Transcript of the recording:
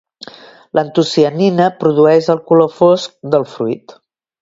L'antocianina produeix el color fosc del fruit.